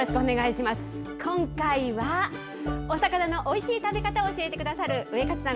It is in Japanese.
今回は、お魚のおいしい食べ方を紹介してくれるウエカツさん